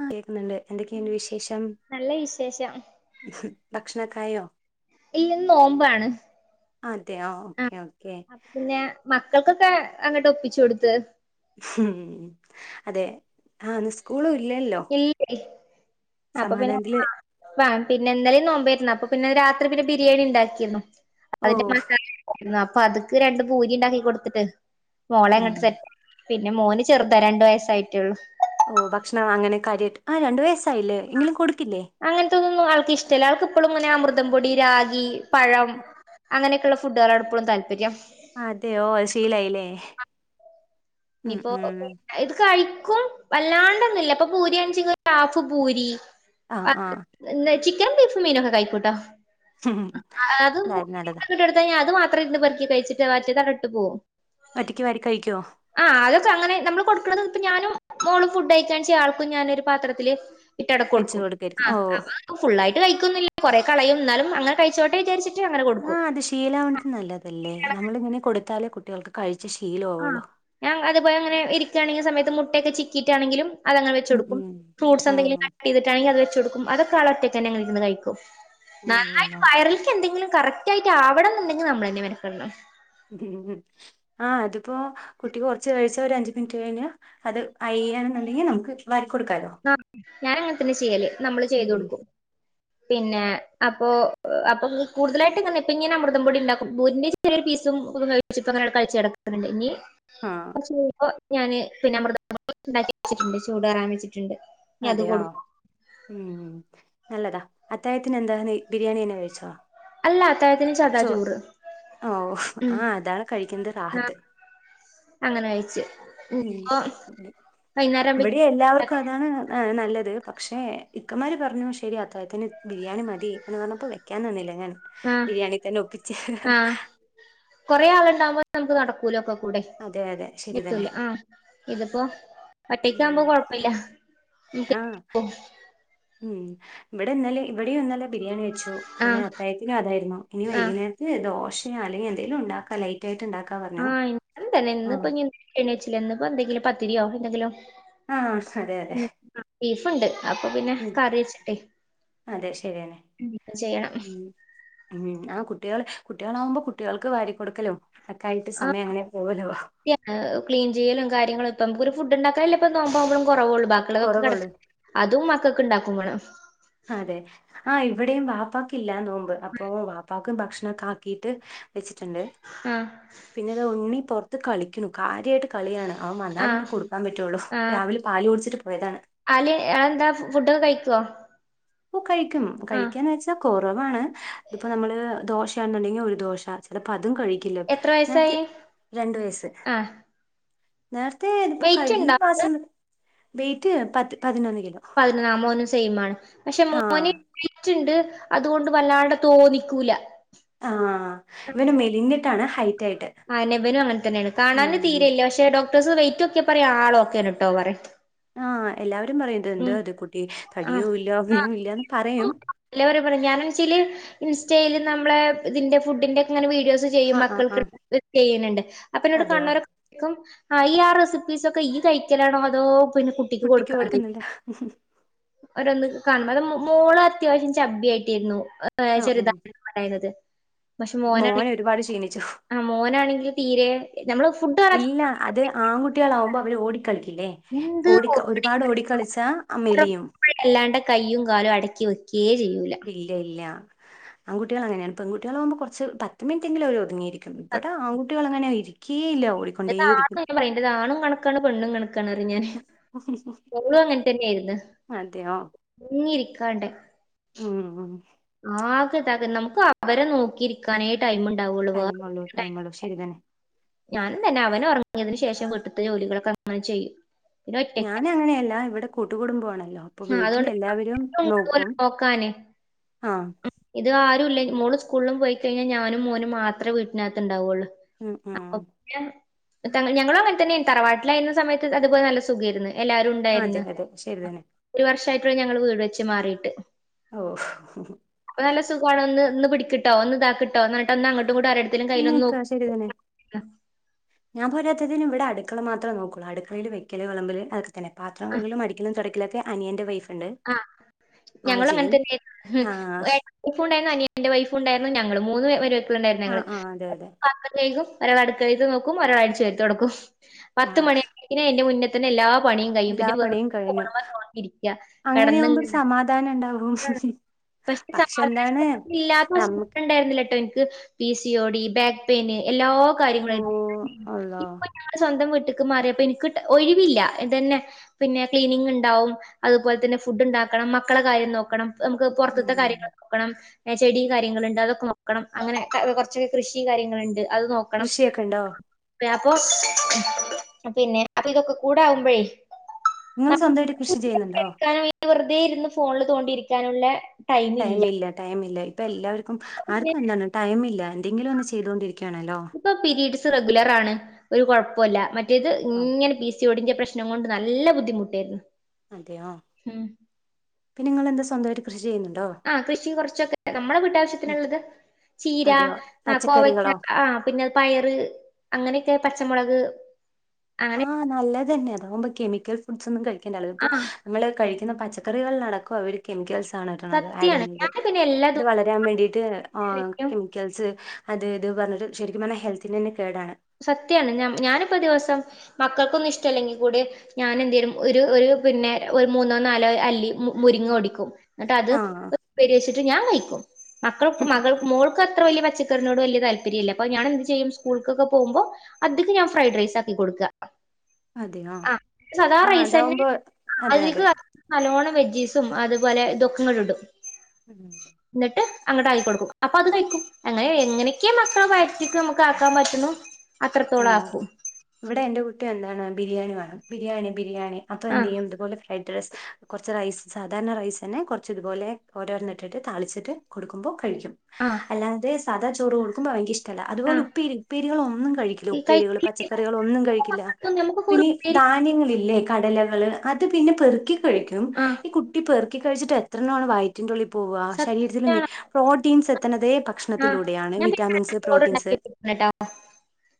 ആഹ് കേക്കുന്ന്ണ്ട് എന്തൊക്കെയിണ്ട് വിശേഷം നല്ല വിശേഷം ഭക്ഷണോക്കായോ? ഇല്ല നോമ്പാണ് അതെയോ ആഹ് ഓക്കെ ഓക്കെ അപ്പോ പിന്നെ മക്കൾക്കൊക്കെ അങ്ങോട്ട് ഒപ്പിച്ചു കൊടുത്ത് അതെ ആഹ് ന്ന് ഇസ്ക്കുളു ഇല്ലല്ലോ [unintelligible] അപ്പോ പിന്നെ സമാധാനത്തില് വ പിന്നെ ഇന്നലേം നോമ്പരുന്നു അപ്പോ പിന്നെ രാത്രി പിന്നെ ബിരിയാണി ഉണ്ടാക്കിന്നു ഓ അതിന്റെ മസാല [inaudible] അതക്ക് രണ്ട് പൂരി ഇണ്ടാക്കി കൊടുത്തിട്ട് മോളെ ഉം അങ്ങട്ട് സെ പിന്നെ മോന് ചെറുതാ രണ്ടു വയസ്സായിട്ടേള്ളു ഓഹ് ഭക്ഷണം അങ്ങനെ കാര്യായിട്ട് ആ രണ്ടു വയസ്സായില്ലേ എങ്കിലും കൊടുക്കില്ലേ അങ്ങനത്തെതോന്നും ആൾക്കിഷ്ട്ടല്ല അവൾക്കിപ്പഴും ഇങ്ങനെ അമൃതംപ്പൊടി, രാഗി, പഴം അങ്ങനെയൊക്കെയുള്ള ഫുഡകളോട് എപ്പോഴും താല്പര്യം അതെയോ അത് ശീലായില്ലേ ഉം നിപ്പോ ഉം ഇത് കഴിക്കും വല്ലാണ്ടൊന്നില്ല ഇപ്പോ പൂരിയാണച്ചെ ഹാഫ് പൂരി ആ ആ ആഹ് ചിക്കനും ബീഫു മീനൊക്കെ കഴിക്കുട്ടോ ഉം. അത് എന്തായാലും നല്ലതാ [inaudible] അത് മാത്ര ഇരുന്ന് പെറുക്കി കഴിച്ചിട്ട് മറ്റേതാവാടിട്ട് പോവും ഒറ്റക്ക് വാരി കഴിക്കുവോ ആഹ് അതൊക്കെ അങ്ങനെ നമ്മള് കൊടുക്കണത് ഇപ്പം ഞാനും മോളും ഫുഡ് കഴിക്കാൻ ചെയ്യ ആൾക്കും ഞാനൊരു പാത്രത്തില് ഇറ്റട വെച്ച് കൊടുക്കും കൊടുക്കായിരിക്കും ഓ ആഹ് അപ്പോ ഫുള്ളായിട്ട് കഴിക്കോന്നില്ല കൊറെ കളയും എന്നാലും അങ്ങനെ കഴിച്ചോട്ടെ വിചാരി ആഹ് അത് ശീലാണത് നല്ലതല്ലേ നമ്മളിങ്ങനെ കൊടുത്താലേ കുട്ടികൾക്ക് കഴിച്ച് ശീലാവുള്ളു ഞാ അതുപോലെ ഇങ്ങനെ ഇരിക്കണെങ്കി സമയത്ത് മുട്ടക്കെ ചിക്കിട്ടാണെങ്കിലും അതങ്ങനെ ഉം വെച്ചുകൊടുക്കും ഫ്രൂട്ട്സ് എന്തെങ്കിലും ഉം കട്ട് ചെയ്തിട്ടാണെങ്കി അത് വെച്ചുകൊടുക്കും അതൊക്കെ ആൾ ഒറ്റക്കന്നെങ്ങന ഇരുന്ന് കഴിക്കും ഉം നന്നായിട്ട് ഉം വയറിൽക്ക് എന്തെങ്കിലും കറക്റ്റ് ആയിട്ട് ആവണം എന്നുണ്ടെങ്കിൽ നമ്മളന്നെ മെനക്കെടണം ആഹ് അതിപ്പോ കുട്ടി കൊറച്ച് കഴിച്ച ഒരാഞ്ചു മിനിറ്റ് കഴിഞ്ഞ അത് അയ്യാണെന്നുണ്ടെങ്കി നമുക്ക് വാരി കൊടുക്കാലോ ആഹ് ഞാൻ അങ്ങനെ തന്നെ ചെയ്യല് നമ്മള് ചെയ്ത് ഉം കൊടുക്കും പിന്നെ അപ്പോ അപ്പോ കൂടുതലായിട്ട് ഇങ്ങനെ ഇപ്പോ അമൃതം പൊടി ണ്ടാക്കും ബൂരി നെ ചെറിയൊരു പീസും [unintelligible] അങ്ങനെ കഴിച്ചടക്കണ്ട് ഇനി ആഹ് [unintelligible] ഞാന് പിന്നെ അമൃതം പൊടി ഇണ്ടാക്കി വെച്ചിട്ടുണ്ട് ചൂടാറാന് വെച്ചിട്ടുണ്ട് ഇനി അത് അതെയോ കൊടുക്കും ഉം നല്ലതാ അത്തായത്തിന് എന്താ ബിരിയാണി തന്നെ കഴിച്ചോ അല്ല അത്താഴത്തിന് സാദാ ചോ ചോറ് ഓഹ് ഉം ആഹ് അതാണ് കഴിക്കണ്ടാ ആ റാഹത്ത് അങ്ങനെ കഴിച്ച് ഉം ഇപ്പൊ വൈകുന്നേരം ഇവടെ ആകുമ്പഴേക്കും എല്ലാവർക്കും അതാണ് ഏഹ് നല്ലത് പക്ഷേ ഇക്കമാര് പറഞ്ഞു ശെരി അത്താഴത്തിന് ബിരിയാണി മതി എന്ന് പറഞ്ഞപ്പോ വെ ക്കാനിന്നില്ല ഞാന് ആഹ് ആഹ് കൊറേ ആളുണ്ടമ്പോ നമുക്ക് നടക്കൂലൊക്കക്കുടെ അതെ അതെ ശരി തന്നെ എത്തൂല ആഹ് ഇതിപ്പോ ഒറ്റക്ക് ഉം ആകുമ്പോ കൊഴപ്പില്ല ആഹ് [unintelligible] ഉം ഇവടെന്നാലെ ഇവടെയും ഇന്നല്ല ബിരിയാണി വെ ച്ചു പിന്നെ ആഹ് അത്തായത്തിന് അതായിരുന്നു ഇനി ആഹ് വൈകുന്നേര ദോശ അല്ലെങ്കിൽ എന്തെങ്കിലും ഉണ്ടാക്കലയി റ്റായിട്ട് ഇണ്ടാക്ക ആഹ് ഇൻക്കും തന്നെ ഇന്നിപ്പോ ഏണിച്ചില്ല ഇന്നിപ്പോ എന്തെങ്കിലും പത്തിരിയോ എന്തെങ്കിലോ [inaudible] അതെ അതെ ബീഫ്ണ്ട് അപ്പോ പിന്നെ ഉം കറിവെച്ചിട്ടേ അതെ ശരിയന്നെ [unintelligible] ചെയ്യണം ഉം ഉം ആഹ് കുട്ടികള് കുട്ടികളാകുമ്പോ കുട്ടികൾക്ക് വാരി കൊടുക്കലും ഒക്കെ ആയിട്ട് സമയം അങ്ങനെ പോവുലോ ക്ലീൻ ചെയ്യലും കാര്യങ്ങളും ഇപ്പോ നമ്മൊക്കൊരു ഫുണ്ടോണ്ടാക്കലല്ലേ ഇപ്പോ നോമ്പാവുമ്പളും കൊറവോള്ളൂ ബാക്കിളതൊക്കെ കെട കുറവുള്ളൂ അതും മക്കൾക്ക് ഇണ്ടാക്കും വേണം അതെ ആഹ് ഇവിടെയും വാപ്പക്ക് ഇല്ലാന്ന് നോമ്പ് അപ്പൊ വാപ്പക്കും ഭക്ഷണൊക്കെ ആക്കിട്ട് വെച്ചിട്ടുണ്ട് ആഹ് പിന്നെ ഇത് ഉണ്ണി പുറത്ത് കളിക്കണു കാര്യമായിട്ട് കളിയാണ് അവൻ വന്നാലെ ആഹ് എനി കൊടുക്കാൻ പറ്റുള്ളു രാവിലെ പാല് കുടിചിട്ട് പോയതാണ് ആല് എന്താ ഫുഡൊക്കെ കഴിക്കുവോ ഓഹ് കയിക്കും കയിക്കാനാച്ച് കുറവാണ് ഇപ്പോ നമ്മള് ദോശയാണെന്നുണ്ടെങ്കിൽ ഒരു ദോശ ചിലപ്പോ അതും കഴിക്ക എത്ര നേത്തെ വയസ്സായി രണ്ട് വയസ്സ് ആഹ് നേരത്തെ ഇതിപ്പോ വെയിറ്റ് കഴിഞ്ഞ ഉണ്ടോ ആൾക്ക് മാസം വെയിറ്റ് പത്ത് പതിനൊന്ന് കിലോ അഹ് മോനും സെയിമാണ് പക്ഷെ ആ മോന് വെയിറ്റുണ്ട് അതുകൊണ്ട് വല്ലാണ്ട് തോന്നിക്കൂല ആഹ് ഇവന് മെലിഞ്ഞിട്ടാണ് ഹൈ ആയെന്നെ ബനും അങ്ങനെ തന്നെയാണ് കാണാനും ഉം തീരയില്ല പക്ഷെ ഡോക്ടേഴസ് വെയിറ്റ് നോക്കിയ പറയാ ആളോക്കെയാണ് കേട്ടോ പറ ആഹ് എല്ലാവരും പറയും ഇതേന്താ ത് കുട്ടി തടിയോ ഇല്ല ഒന്നും ഇല്ലന്ന് പറയും ല്ലാവരും പറയും ഞാനെന്നുവെച്ചാല് ഇൻസ്റ്റയിയില് നമ്മളെ ഇതിന്റെ ഫുഡിന്റെ ഇങ്ങനെ വീഡിയോസ് ചെയ്യും ആ ആ ആ മക്കൾക്ക് ചെയ്യണ്ട് അപ്പൊന്നോട് അതെയോ കാണുന്നോരോക്കെ ആഈ ആഹ് റെസിപ്പീസൊ ക്കെ ഈ കഴിക്കലാണോ അതോ പിന്നെ കുട്ടിക്ക് കൊടുക്കുന്നിണ്ടാ ഓരോന്നൊക്കെ കാണും അത് മോള് അത്യാവശ്യം ചബിയായിട്ടിരുന്നു ഏ ആ ഉം ചെറതാ പക്ഷെ മോൻ മോനാണെങ്കി ഒരുപാട് ക്ഷീണിച്ചു ആഹ് മോനാണെങ്കിൽ തീരെ ഞമ്മള് ഫുഡ് പറ ഇല്ല അത് ആൺകുട്ടികളാവുമ്പോ അവര് ഓടിക്കളിക്കില്ലേ എന്ത് ഓടി ഒരുപാട് ഓടിക്കളിച്ചാ ആഹ് മെലിയും അല്ലാണ്ട് കൈയ്യും കാലും അടക്കി വെക്കയേ ചെയ്യൂല ഇല്ല ഇല്ല ആൺകുട്ടികൾ അങ്ങനെയാണ് പെൺകുട്ടികളാകുമ്പോ കുറച്ച് പത്ത് മിനിറ്റെങ്കിലും ഒതുങ്ങിയിരിക്കും ഇവിടെ ആൺകുട്ടികളങ്ങനെയിരിക്കു എന്റെ ആണാ ഞാൻ പറയും എന്റെ ആണും കണക്കാണ് പെണ്ണും കണക്കാണ് പറയും ഞാന് [inaudible] ഇവളും അങ്ങനെത്തന്നെയായിരിന്ന് അതെയോ അടങ്ങിയിരിക്കാണ്ടേ ഉം ഉം ആകെയിതകെ നമുക്ക് അവരെ നോക്കിയിരിക്കാനെ ടൈംണ്ടാവുള്ളൂ ടൈമ്മള്ളു ടൈമുള്ളു ശരിതന്നെ ഞാനും തന്നെ അവനുറങ്ങിയതിനു ശേഷം വീട്ടിത്തെ ജോലികളൊക്കെ അങ്ങനെ ചെയ്യും പിന്നെ ഒറ്റയ്ക്ക് ഞാനങ്ങനെയല്ല ഇവിടെ കൂട്ടുകുടുംബമാണല്ലോ അപ്പൊ വീട്ടില് അതുകൊണ്ട് എല്ലാവരും നോക്കും നോക്കാന് ആഹ് ഇത് ആരുല്ല മോള് സ്കൂളിലും പോയി കഴിഞ്ഞാൽ ഞാനും മോനും മാത്രമേ വീട്ടിനകത്തുണ്ടാവള്ളൂ ഉം ഉം ഞങ്ങളും അങ്ങനെത്തന്നെയ തറവാട്ടിലായിരുന്ന സമയത്ത് അതുപോലെ നല്ല സുഖേരുന്നു എല്ലാവരും അതെ അതെ ശരിതന്നെ ഒരു വർഷയിട്ടുള്ളൂ ഞങ്ങള് വീട് വെച്ച് മാറിയിട്ട് ഓഹ് അപ്പ നല്ല സുഖമാണ് ഒന്ന് പിടിക്കട്ടോ ഒന്ന് ഇതാക്ക്ട്ടൊ എന്നട്ട ഒന്നങ്ങട്ടും ഇങ്ങട്ടും നക്കാ ശെരി തന്നെ ഞാൻ പോരാത്തതിന് ഇവിടെ അടുക്കള മാത്ര നോക്കുള്ളൂ അടുക്കളയില് വെക്കല് വെളമ്പില് പിന്നെ പാത്രകഴുകലും അടിക്കലും തുടക്കലുമൊക്കെ അനിയൻന്റെ വൈഫ് ആഹ് ഞങ്ങളും അങ്ങനത്തന്നെയായിരുന്നു ആ വൈഫുണ്ടായിരുന്നു അനിയന്റെ വൈഫുണ്ടായിരുന്നു ഞങ്ങള് മൂന്ന് മരുമക്കളുണ്ടായിരുന്നു ആ ആ അതെ അതെ ഞങ്ങള്േക്കും ഒരാളടുക്കള നോക്കും ഒരാള് അടിച്ചുവാരി തുടക്കും ആ പത്ത് മണിയ അയിന്റെ മുന്നെ ത്തേക്കും എല്ലാ പണിയും കയും എല്ലാ പിന്നെ വെറുതെ പണിയും കഴിഞ്ഞു ഫോണുമ്മ നോക്കിയിരിക്കുക [unintelligible] അങ്ങനെയാവുമ്പോ ഒരു സമാധാനം ഉണ്ടാവും പക്ഷെ എന്താണ് നമുക്ക് ണ്ടായിരുന്നില്ലട്ടോ എനിക്ക് P C O D back pain എല്ലാ കാര്യങ്ങളും ഓ അള്ളാ സ്വന്തം വീട്ട്ക്ക് മാറിയപ്പൊ എനക്ക് ഒഴിവില്ല ഇതന്നെ പിന്നെ ക്ലീനിങ് ഉണ്ടാവും അതുപോൽ തന്നെ ഫുഡ് ഉണ്ടാക്കണം മക്കളെ കാര്യം നോക്കണം നമ്ക്ക് പൊർത്ത്ത്തെ ഉം കാര്യങ്ങൾ ക്കണം ചെടീം കാര്യങ്ങള്ണ്ട് അതൊക്കെ നോക്കണം അങ്ങനെ കൊ ർച്ചൊക്കെ കൃഷി കാര്യങ്ങള്ണ്ട് അത് നോക്ക കണം കൃഷിയൊക്കെ ഉണ്ടോ പ്പെപ്പൊ പിന്നെ അപ്പ ഇതൊക്കെ കൂടാമ്പെഴേ നിങ്ങൾ സ്വന്തായിട്ട് കൃഷി ചെയ്യ്ന്ന്ണ്ടോ? ഇരിക്കാനും ഈ വെറുതെ ഇര്ന്ന് ഫോണില് തോണ്ടിയിരിക്കാനുള്ള ടൈം ഇല്ല ടൈംമില്ല ടൈംമില്ല ഇപ്പൊ എല്ലാവർക്കും ആർക്കും എന്താണ് ടൈം മില്ല എന്തെങ്കിലൊന്ന് ചെയ്തോ ണ്ടിരിക്യാണല്ലോ പ്പൊ പീരീഡ്സ് റെഗുലറാണ് ഒരു കൊ ഴപ്പൊല്ല മറ്റേത് ആ ങ്ങനെ പി സി ഓഡിന്റെ പ്രശ് പ്രശ്നം കൊണ്ട് നല്ല ബുദ്ധിമുട്ടേയിര്ന്നു അതെയോ പിന്നെ ങ്ങളെന്താ സ്വന്തായിട്ട് കൃഷി ചെയ്യ്ന്ന് ആഹ് കൃഷി കൊറച്ചൊക്കെ നമ്മളെ ഉം. വീട്ടാവശ്യത്തിന്ള്ളത്. ചീര അതെയോ ആഹ് പച്ചക്കറികളോ കോവയ്ക്ക ആഹ് പിന്നെ പയറ് അങ്ങനൊക്കെ പച്ചമൊളക് അ ആഹ് നല്ലതന്നെ അതാകുമ്പോ കെമിക്കൽ ഫുഡ്സ്ന്നും കഴിക്കേണ്ടല്ലോ ഇപ്പൊ ആഹ് നന്മള് കഴിക്ക്ന്ന പച്ചക്കറികളടക്കം അവര് കെമിക്കൽസാണ് ആഡ് സത്യാണ്. ചെയ്യണത് ഞാന് പിന്നെ എല്ലാ ഇത് വളരാൻ വേണ്ടീട്ട് ഓ ദിവസത്തിലേക്കും കെമിക്കൽസ് അത് ഇത് പറഞ്ഞിട്ട് ശരിക്കും പർഞ്ഞ ഹെൽത്തി ന്നന്നെ കേടാണ് സത്യാണ് ഞാ ഞാനിപ്പോ ദിവസം മക്കൾക്കൊന്നും ഇഷ്ടല്ലെങ്കി കൂടിം ഞാൻ എന്തേരും ഒരു ഒരു പിന്നെ ഒരു മൂന്നോ നാലോ അല്ലി മു മുരിങ്ങ ഒടിക്കും. ന്നട്ടത് ആഹ് ഉപ്പേരിയെച്ച്ട്ട് ഞാൻ കഴിക്കും മക്കൾ മകൾക്ക് മോൾക്ക് ത്ര വലിയ പച്ചക്കറിനോട് വില്യ താല്പര്യല്ല പ്പ ഞാനെന്ത് ചെയ്യും സ്കൂൾകൊക്കെ പോവുമ്പോ അതികും ഞാൻ ഫ്രൈഡ് റൈസാക്കി കൊടുക്ക. അതെയോ അഹ് സദാ ആഹ് റൈസെന്നെ അതാവുമ്പോ ആഹ് അതെ അതെ അതിക്ക് നലോണം വെജ്ജീസും അതുപോലെ ഇതൊക്കെങ്ങടും. ഉം ന്നട്ട് അങ്ങട്ടായി കൊടുക്കും അപ്പൊ അത് കഴിക്കും അങ്ങനെ എങ്ങനെക്കെ മക്കളെ വയറ്റ് ക്ക് നമക്ക് ആക്കാൻ പറ്റ്ണു അത്രത്തോളാക്കും. ഇവടെ എന്റെ കുട്ടി എന്താണ് ബിയാണി വേണം ബിരിയാണി ബിരിയാണി അപ്പൊ ആ എന്ത്‌യ്യും ഇതുപോലെ ഫ്രൈഡ് റൈസ് കൊർച്ച് റൈസ് സാധാരണ റൈസന്നെ കൊർച്ച് ഇതുപോലെ ഓരോരണ്ണട്ടിട്ട് താളിച്ചിട്ട് കൊടുക്കുമ്പോ കഴിക്കും ആ അല്ലാതെ സാധ ചോറ് കൊടുക്കുമ്പോ അവൻകി ഇഷ് ടല്ല ആ അതുപോലെ ഉപ്പേരി ഉപ്പേരികൾ ഒന്നും കഴിക്കില്ല ഈ കൈ ഉപ്പേരികൾ പച്ചക്കറികൾ ഒന്നും കഴിക്കില്ല നമുക്കൊക്കെ ഒരു പിന്നെ പേര് ധന്യങ്ങളില്ലേ കടലകൾ അത് പിന്നെ പെറ്ക്കി കഴിക്കും ആ ഈ കുട്ടി പെറ് ക്കി കഴിച്ചിട്ട് എത്രണം അന്ന് വയറ്റിന്റുള്ളി പോവാ ശരീരത്തിൽ മി സത്യാണ് പ്രോട്ടീൻസ് എത്ത്ണതേ ആ ഭക്ഷണത്തിലൂടെയാണ് ഞാൻ പിന്നെ വിറ്റാമിൻസ് ചോറ് പ്രോട്ടീൻസ് ഉണ്ടാക്കി കേട്ടോ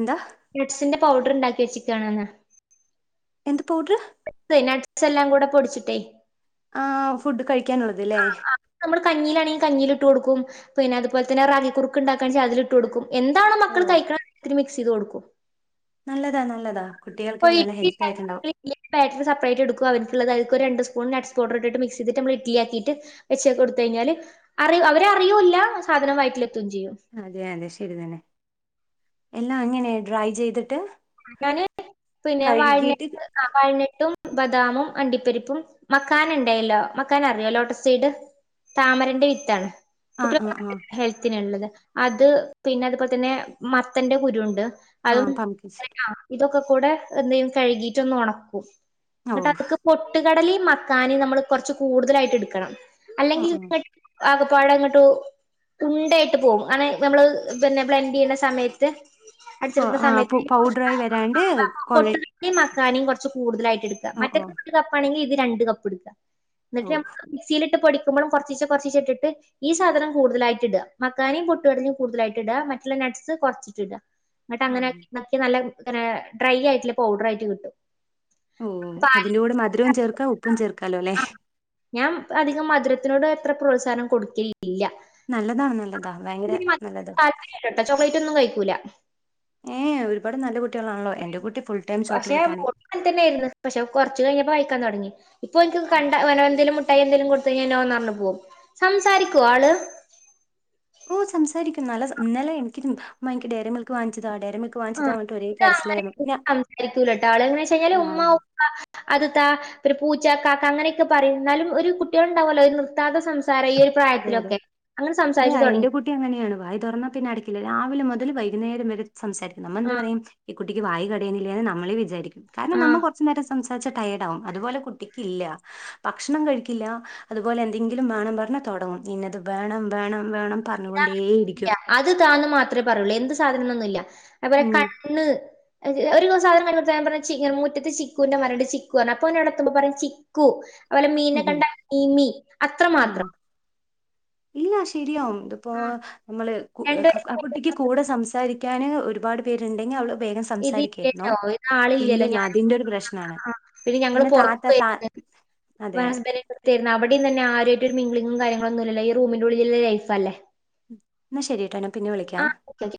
എന്താ നട്ട്സിന്റെ പൗഡർ ഉണ്ടാക്കി വെച്ച്ക്കാന്ന് എന്ത് പൗഡറ് നട്ട്സെല്ലാം കൂടെ പൊടിച്ചിട്ടേ ആഹ് ഫുഡ് കഴിക്കാനുള്ളത് അല്ലേ നമ്മൾ കഞ്ഞിയിലാണെ കഞ്ഞില്ട്ട് കൊടുക്കും പിന്നെ അത് പോൽ തന്നെ റാഗി കുറുക്ക്ണ്ടാക്കാണെച്ചാൽ അതില് ഇട്ട് കൊട്ക്കും എന്താണോ ഓ മക്കൾ കഴക്കാ ഇത്തിരി മിക്സെയ്ത് കൊട്ക്കും. നല്ലതാ നല്ലതാ കുട്ടികൾക്ക് നല്ല ഹെൽത്ത് ആയിട്ടുണ്ടാവും [inaudible] ബാറ്ററ് സപ്പറേറ്റ് എടുക്കു അവര്ക്ക്ള്ളത് അതുക്കൊരു രണ്ട് സ്പൂൺ നട്സ് പൗഡർട്ടിട്ട് മിക്സയ്ത്ട്ട് മള് ഇഡ്ലി ആകിട്ട് വെച്ച കൊട്ത്തഴിഞ്ഞാല് അവരറിയൂല്ല സാധനം വയറ്റിലെത്തും ചെയ്യും. അതെ അതെ ശരി തന്നെ എല്ലാ അങ്ങനെ ഡ്രൈ ചെയ്തിട്ട് ഞാന് പിന്നെ വാൽനട്ട് കഴുകിയിട്ട് ആ വാൽനെട്ടും ബദാമും അണ്ടിപ്പരിപ്പും മക്കാന ഇണ്ടായല്ലോ മക്കാന അറിയോ ലോട്ടസ് സൈഡ് താമരന്റെ വിത്താണ് ആ ആ കുട്ടികള ആ ഹെൽത്തിന ഉള്ളത് അത് പിന്നെ അതുപോലെ തന്നെ മത്തന്റെ കുരു ഇണ്ട് ആഹ പാമ്കിസ് ആഹ് ഇതൊക്കെ കൂടെ എന്തേയ്യും കഴുകിട്ട ഒന്ന് ഉണക്കും ഓ എന്നിട്ട് അതക്ക പൊട്ടുകടലയും മക്കാനിം നമ്മൾ കുറച്ച് കൂടുതലായിട്ട് എടുക്കണം ആ അല്ലെങ്കിൽ ആ ആകെപ്പാടങ്ങോട്ടും തുണ്ടായിട്ട് പോകും അങ്ങനെ നമ്മള് പിന്നെ ബ്ലന്ഡ് ചെയ്യണ്ട സമയത്ത് കൊ- അടിച്ചെടുക്കുന്ന ആ സമയത്ത് പു- പൗഡറായി വരാണ്ട് കൊഴ കൊട്ടയും മക്കാനയും കുറച്ച് കൂടുതലായിട്ട് എടുക്ക ഓ മറ്റ ഓ കപ്പാണെങ്കിൽ ഇത് രണ്ട് കപ്പ് എട്ക്ക ഓ എന്നിട്ട്മ്മ മിക്സിയിലിട്ട് പൊടിക്കുമ്പഴും കൊറച്ചീച്ച കൊറച്ചീചെ ഇട്ടിട്ട് ഈ സാധനം കൂടുതലായിട്ട് ഇട മക്കാനും പൊട്ടടലയും കൂടുതലായിടട്ട് ഇട മറ്റുള്ള നട്ട്സ് കുറ എന്നട്ട് ഉം. അങ്ങനാക്കിട്ട് നല്ല ഡ്രൈ ആയിട്ടുള്ള പൗഡർ ആയിട്ട് കിട്ടും ഓ പാൽ അതിന്റെ കൂടെ മധുരവും ചേർക്കാ ഉപ്പും ചേർക്കാലോ അല്ലേ ആ ഞാൻ അധികം മധുരത്തിനോട് എത്ര പ്രോത്സാഹനം കൊടുക്കില്ല നല്ലതാ നല്ലതാ ഭയങ്കര നല്ലതാ ട്ട ചോക്ലേറ്റ് ഒന്നും കഴിക്കൂല ഏഹ ഒരുപാട് നല്ല കുട്ടികളാണല്ലോ എന്റെറെ കുട്ടി ഫുൾ ടൈം ചോക്ലേറ്റ് ആണ് ങ്ങൻ തന്നെയായിരുന്നു പക്ഷെ കൊറച്ച് കഴിഞ്ഞപ്പോ വായിക്കാൻ തുടങ്ങി ഇപ്പോ ഓനിക്ക് ഉം. ട്ട എന്തെങ്കലും കൊടുത്ത് കഴിഞ്ഞാൽ നോ പറഞ്ഞു പോകും പോകും സംസാരിക്കുമോ ആള് ഓഹ്‌ സംസാരിക്കും നല്ല ഇന്നലെ എനിക്ക് മാ ഡയറി മിൽക്ക് വാങ്ങിച്ചതാ വാങ്ങിച്ചതാ ആഹ്‌ പറഞ്ഞിട്ട് ഒരേ ഇത് അങ്ങനെ കരച്ചിലായിരുന്നു ഞാ- സംസാരിക്കൂലട്ടോ ആള് എന്ന് വെച്ച് കഴിഞ്ഞാല് ആ ഉമ്മ അത് താ പി പൂച്ച കാക്ക അങ്ങനെയൊക്കെ പറയും എന്നാലും ഒരു കുട്ടികള് ഉണ്ടാവല്ലോ ഒരു നൃത്താത സംസാരം ഈ ഒരു അതെ അതെ യത്തിലൊക്കെ അങ്ങനെ അത് സംസാരിച്ച് എന്റെ തുടങ്ങി കുട്ടി അങ്ങനെയാണ് വായി തുറന്നാ പിന്നെടക്കില്ല രാവിലെ മുതൽ വൈകുന്നര വരെ സംസാരിക്കും നമ്മ എന്ത്‌ ആഹ് പറയും ഈ കുട്ടിക്ക് വായി കടയുന്നില്ലേ എന്ന് നമ്മളെ വിചാരിക്കും കാരണം ആഹ് നമ്മ നേരെ സംസാരിച്ച ടയേർഡ് ആകും അതുപോലെ കുട്ടിക്ക്ല്ല ഭക്ഷണം കഴിക്കില്ല അതുപോലെ എന്തെങ്കിലും വേണം പറഞ്ഞാൽ തുടങ്ങും ഇന്നെത് വേണം വേണം വേണം പറഞ്ഞുകൊണ്ടേയിരിക്കും അത് താന്ന് മാത്രമേ പറയൂള്ളൂ എന്ത് സാധനൊന്നുംല്ല അത്പോലെ ഉം കണ്ണ് ഒരു സാധനം കാണുമ്പോതന്നെ പറഞ്ഞൻ മുറ്റത്ത് ചിക്കുൻന്റെ മരണ്ട് ചിക്കു ആടത്ത്ബ പറിം അത് പോലെ മീനെ ഉം കണ്ട മീമി അത്ര ആ മാത്രം ഇല്ല ശരിയാവും ഇതിപ്പോ ആഹ് നമ്മള് രണ്ട് ആ കുട്ടിക്ക് വയസ്സ് കൂടെ സംസാരിക്കാന് ഒരുപാട് ണ്ടെങ്കിൽ അവ ഇതലല്ലോ ഇത് ആള് ഇല്ലല്ലോ ഞാനും അതിന്റെ ഒരു പ്രശ്നാണ് പിന്നെ ഞങ്ങള് താത്ത പൊറത്ത് താ ഏർന്ന ഇ അതെ ഹസ്ബന്റെടുത്തരുന്നു അവിടെന്ന തന്നെ ആരുആയിട്ട് ഒരു മേഗ്ലീഗും കാര്യങ്ങളന്നുല്ലല്ലോ റൂമിന്റെറെള്ളിലുള്ള ലൈഫ് അല്ലേ എന്ന ശരിയട്ട്ടൊ ആഹ